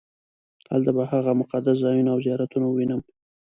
هلته به هغه مقدس ځایونه او زیارتونه ووینم.